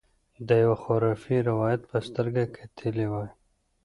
د یوه خرافي روایت په سترګه کتلي وای.